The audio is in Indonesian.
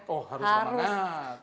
oh harus semangat